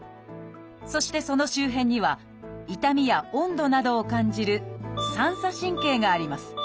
そしてその周辺には痛みや温度などを感じる「三叉神経」があります。